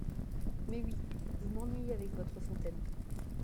Mais oui… vous m’ennuyez avec votre fontaine !…